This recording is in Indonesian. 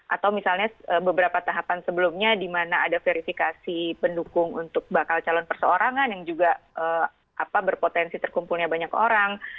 atau misalnya beberapa tahapan sebelumnya di mana ada verifikasi pendukung untuk bakal calon perseorangan yang juga berpotensi terkumpulnya banyak orang